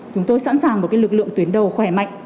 chúng tôi sẵn sàng một lực lượng tuyến đầu khỏe mạnh